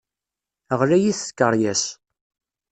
Ɣlayit tkeṛyas.